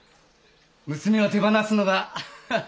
娘を手放すのがハハハ